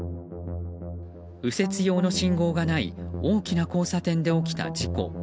右折用の信号がない大きな交差点で起きた事故。